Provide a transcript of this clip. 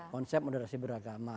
konsep moderasi beragama